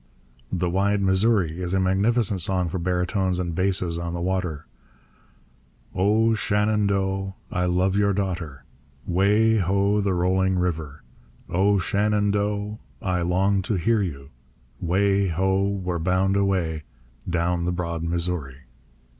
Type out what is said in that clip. The Wide Missouri is a magnificent song for baritones and basses on the water: Oh, Shenando'h, I love your daughter, 'Way ho, the rolling river! Oh, Shenando'h, I long to hear you, 'Way ho, we're bound away, Down the broad Missouri.